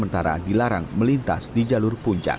sementara dilarang melintas di jalur puncak